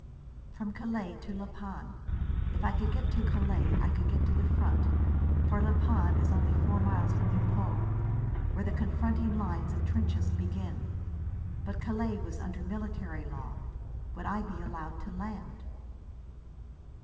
From Calais to La Panne! If I could get to Calais I could get to the front, for La Panne is only four miles from Nieuport, where the confronting lines of trenches begin. But Calais was under military law. Would I be allowed to land?